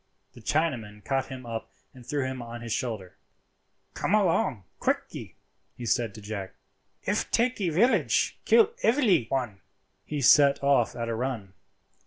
The Chinaman caught him up and threw him on his shoulder. "Come along quickee," he said to Jack; "if takee village, kill evely one." He set off at a run.